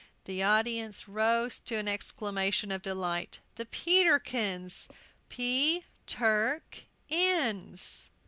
The audience rose to an exclamation of delight, "The Peterkins!" "P Turk Inns!"